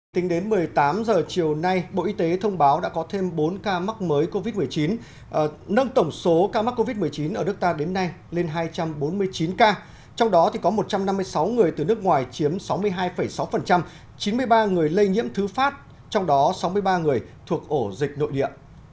tính đến một mươi tám h chiều nay bộ y tế thông báo đã có thêm bốn ca mắc mới covid một mươi chín nâng tổng số ca mắc covid một mươi chín ở nước ta đến nay lên hai trăm bốn mươi chín ca trong đó có một trăm năm mươi sáu người từ nước ngoài chiếm sáu mươi hai sáu chín mươi ba người lây nhiễm thứ phát trong đó sáu mươi ba người thuộc ổ dịch nội địa